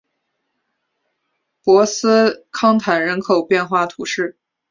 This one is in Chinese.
博斯康坦人口变化图示